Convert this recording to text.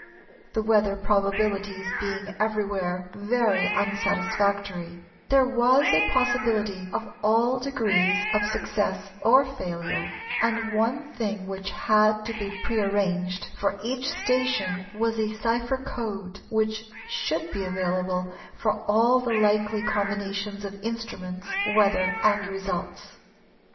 The weather probabilities being everywhere very unsatisfactory, there was a possibility of all degrees of success or failure, and one thing which had to be prearranged for each station was a cypher code which should be available for all the likely combinations of instruments, weather and results.